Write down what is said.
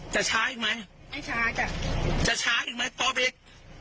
จะช้าอีกไหมไม่ช้าจ้ะจะช้าอีกไหมตอบอีก